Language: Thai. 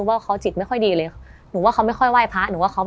ว่าเขาจิตไม่ค่อยดีเลยหนูว่าเขาไม่ค่อยไหว้พระหนูว่าเขา